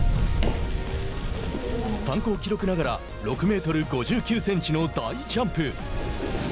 参考記録ながら６メートル５９センチの大ジャンプ。